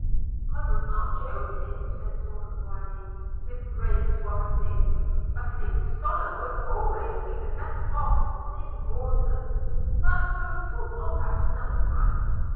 "I was not joking," said Tornabuoni, with grave suavity; "I think a scholar would always be the better off for taking orders. But we'll talk of that another time.